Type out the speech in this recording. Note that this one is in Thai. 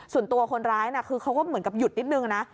ส่วนตัวคนร้ายคือเขาก็เหมือนกับหยุดนิดนึงนะ